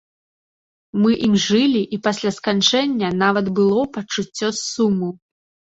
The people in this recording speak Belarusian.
Мы ім жылі, і пасля сканчэння нават было пачуццё суму.